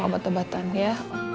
sama obat obatan ya